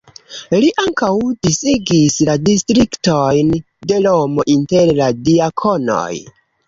Li ankaŭ disigis la distriktojn de Romo inter la diakonoj.